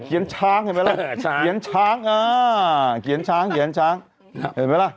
เขียนช้างเห็นไหมล่ะเขียนช้างเขียนช้างเขียนช้างเห็นไหมล่ะ